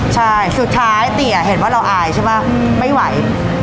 ใช่สุดท้ายติ่งอ่ะเห็นว่าเราอายใช่ปะอืมไม่ไหว